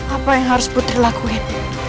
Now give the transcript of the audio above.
apa yang harus putri lakuin